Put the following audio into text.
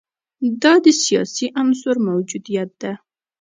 دا د سیاسي عنصر موجودیت ده.